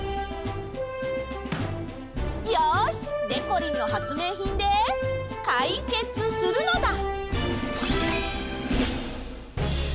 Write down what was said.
よし！でこりんの発明品でかいけつするのだ！